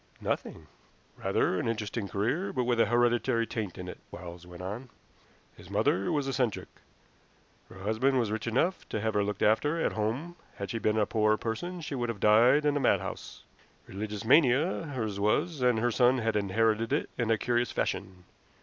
"Nothing." "Rather an interesting career, but with an hereditary taint in it," Quarles went on. "His mother was eccentric. Her husband was rich enough to have her looked after at home; had she been a poorer person she would have died in a madhouse. Religious mania hers was, and her son has inherited it in a curious fashion.